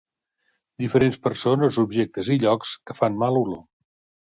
Diferents persones, objectes i llocs que fan mala olor.